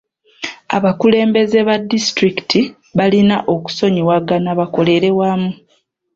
Abakulembeze ba disitulikiti balina okusonyiwagana bakolere wamu.